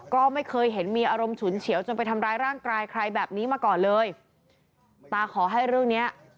ก็ไม่เคยเห็นมีอารมณ์ฉุนเฉียวจนไปทำร้ายร่างกายใครแบบนี้มาก่อนเลย